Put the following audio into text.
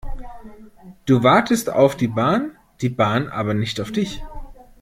Du wartest auf die Bahn, die Bahn aber nicht auf dich.